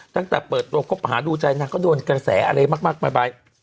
ตั้งแต่เปิดชครบหาดูใจก็โดนกระแสอะไรบ้าง